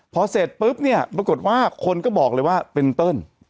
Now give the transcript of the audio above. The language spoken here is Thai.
พอเสร็จปุ๊บเนี่ยปรากฏว่าคนก็บอกเลยว่าเป็นเติ้ล